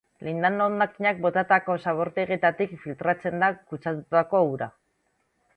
Lindano hondakinak botatako zabortegietatik filtratzen da kutsatutako ura.